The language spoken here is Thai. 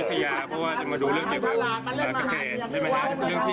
แต่พี่ไม่เห็นด้วยสถาบันเนี่ย